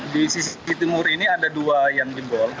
di sisi timur ini ada dua yang jebol